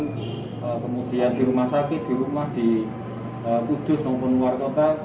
kemudian di rumah sakit di rumah di kudus maupun luar kota